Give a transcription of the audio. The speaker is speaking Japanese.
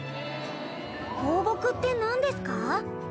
香木ってなんですか？